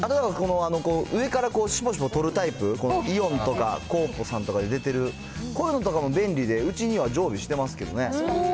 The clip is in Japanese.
上からしゅぽしゅぽ取るタイプ、このイオンとか、コープさんとかで出てる、こういうのとかも便利で、うちには常備してますけどね。